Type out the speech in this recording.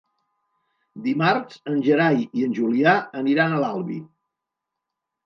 Dimarts en Gerai i en Julià aniran a l'Albi.